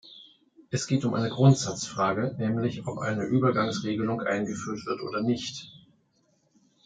Es geht um eine Grundsatzfrage, nämlich ob eine Übergangsregelung eingeführt wird oder nicht.